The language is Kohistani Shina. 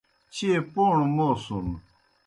چیئے پوݨوْ موسُن۔